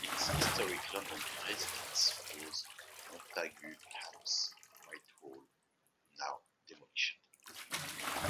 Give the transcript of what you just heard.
Its historic London residence was Montagu House, Whitehall, now demolished.